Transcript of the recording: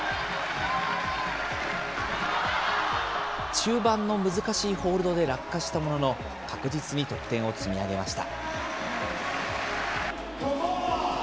中盤の難しいホールドで落下したものの、確実に得点を積み上げました。